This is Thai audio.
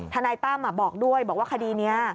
นายตั้มบอกด้วยบอกว่าคดีนี้